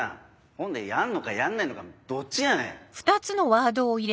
ほんでやんのかやんないのかどっちやねん。